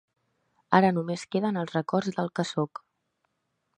Ara només queden els records del que sóc.